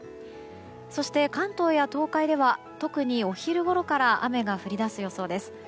そして、関東や東海では特にお昼ごろから雨が降り出す予想です。